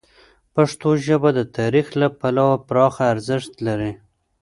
پښتو ژبه د تاریخ له پلوه پراخه ارزښت لري.